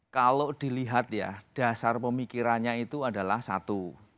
kalau dilihat ya dasar pemikirannya itu adalah satu